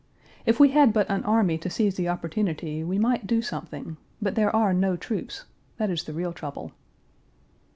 if we had but an army to seize the opportunity we might do something; but there are no troops; that is the real trouble.